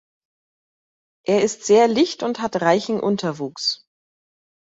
Er ist sehr licht und hat reichen Unterwuchs.